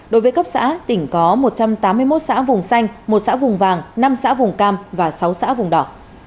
đối với cấp xã tỉnh có một trăm tám mươi một xã vùng xanh một xã vùng vàng năm xã vùng cam và sáu xã vùng đỏ